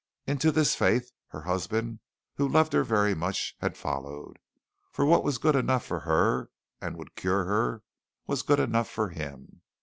Into this faith, her husband, who loved her very much, had followed, for what was good enough for her and would cure her was good enough for him.